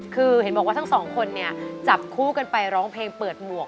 คือเห็นบอกว่าทั้งสองคนเนี่ยจับคู่กันไปร้องเพลงเปิดหมวก